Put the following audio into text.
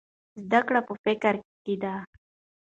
زده کړه په فکر کې ده.